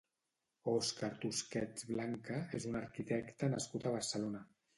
Oscar Tusquets Blanca és un arquitecte nascut a Barcelona.